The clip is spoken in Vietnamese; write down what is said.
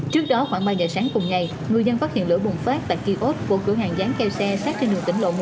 trước đó khoảng ba giờ sáng cùng ngày người dân phát hiện lửa bùng phát tại kiosk của cửa hàng dán keo xe sát trên đường tỉnh lộ một